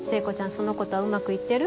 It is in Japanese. その子とはうまく行ってる？